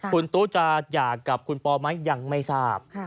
คุณตู้จะหย่ากับคุณปอไหมยังไม่ทราบ